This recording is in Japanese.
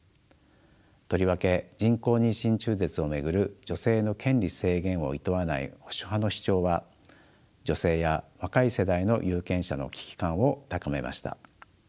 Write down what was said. とりわけ人工妊娠中絶を巡る女性の権利制限をいとわない保守派の主張は女性や若い世代の有権者の危機感を高めました。